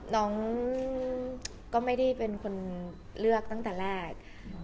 น้องก็ไม่ได้เป็นคนเลือกตั้งแต่แรก